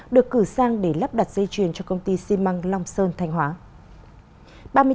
được cử sang để lắp đặt dây chuyền cho công ty ximang long sơn thanh hóa